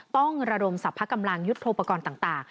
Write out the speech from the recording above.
ป้องระดมศัพท์พระกำลังยุทธโทปกรณ์ต่าง